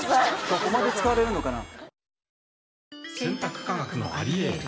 どこまで使われるのかな？